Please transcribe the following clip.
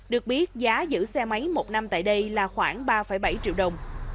được biết giá giữ xe máy một năm tại đây là khoảng ba bảy triệu đồng